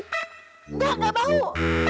enggak enggak bau